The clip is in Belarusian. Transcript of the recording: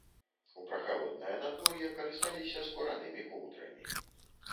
У прахалоднае надвор'е карысталіся скуранымі коўдрамі.